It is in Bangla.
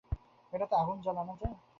এটাতে আগুন জ্বালানো যায়?